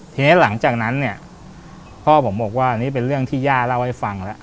ทีนี้หลังจากนั้นเนี่ยพ่อผมบอกว่านี่เป็นเรื่องที่ย่าเล่าให้ฟังแล้ว